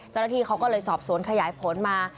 เจ้าหน้าที่เขาก็เลยสอบสวนขยายผลมา